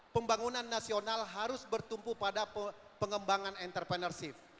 pembangunan nasional harus bertumpu pada pengembangan entrepreneurship